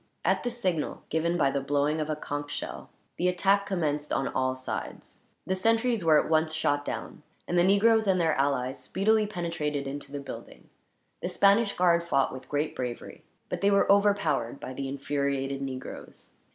At the signal, given by the blowing of a conch shell, the attack commenced on all sides. The sentries were at once shot down, and the negroes and their allies speedily penetrated into the building. The Spanish guard fought with great bravery, but they were overpowered by the infuriated negroes.